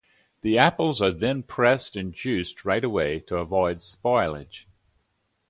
The apples are then pressed and juiced right away to avoid spoilage.